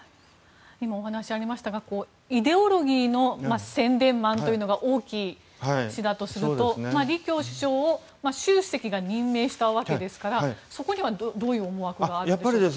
今お話がありましたがイデオロギーの宣伝マンというのが王毅氏だとすると李強首相を習主席が任命したわけですからそこにはどういう思惑があるんですか？